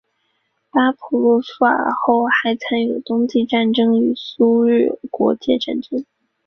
巴甫洛夫尔后还参与了冬季战争与苏日国界战争。